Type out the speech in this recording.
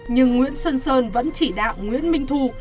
nhưng nguyễn xuân sơn vẫn chỉ đạo nguyễn minh thu